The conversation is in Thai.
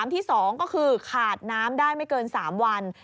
ที่๒ก็คือขาดน้ำได้ไม่เกิน๓วัน